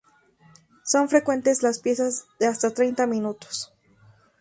Son frecuentes las piezas de hasta treinta minutos.